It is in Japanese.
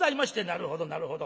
「なるほどなるほど。